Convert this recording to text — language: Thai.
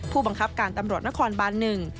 ผู้บังคับการตำรวจนครบานหนึ่ง